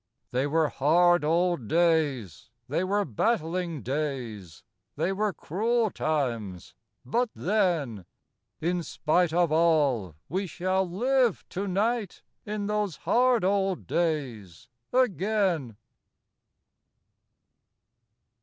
They were hard old days; they were battling days; they were cruel times but then, In spite of all, we shall live to night in those hard old days again.